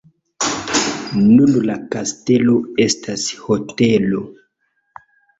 Nun la kastelo estas hotelo.